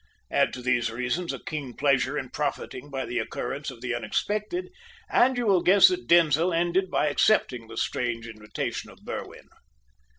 Add to these reasons a keen pleasure in profiting by the occurrence of the unexpected, and you will guess that Denzil ended by accepting the strange invitation of Berwin.